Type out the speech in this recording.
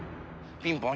ピンポン］